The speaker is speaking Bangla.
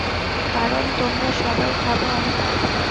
কারণ তোমরা সবাই ভাবো আমি পারবো না।